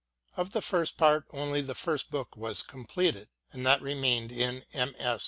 Of the first part only the first book was completed, and that remained in MS.